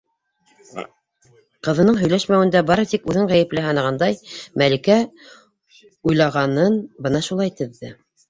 Ҡыҙының һөйләшмәүендә бары тик үҙен ғәйепле һанағандай, Мәликә уйлағанын бына шулай теҙҙе.